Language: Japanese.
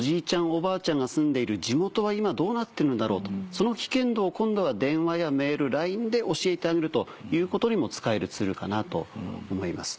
おばあちゃんが住んでいる地元は今どうなってるんだろうとその危険度を今度は電話やメールＬＩＮＥで教えてあげるということにも使えるツールかなと思います。